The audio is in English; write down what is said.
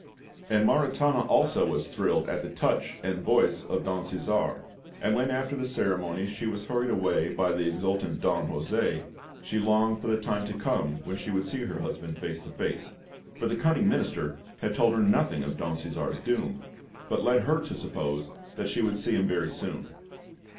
And Maritana also was thrilled at the touch and voice of Don Cæsar, and when after the ceremony she was hurried away by the exultant Don José, she longed for the time to come when she should see her husband face to face, for the cunning Minister had told her nothing of Don Cæsar's doom, but led her to suppose that she would see him very soon.